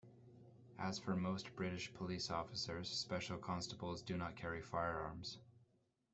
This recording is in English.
As for most British police officers, Special Constables do not carry firearms.